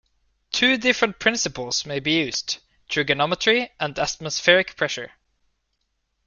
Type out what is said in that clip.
Two different principles may be used: trigonometry and atmospheric pressure.